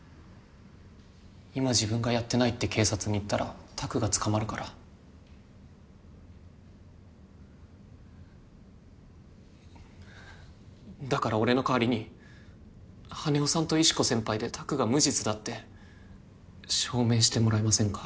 今自分がやってないって警察に言ったら拓が捕まるからだから俺の代わりに羽男さんと石子先輩で拓が無実だって証明してもらえませんか？